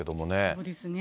そうですね。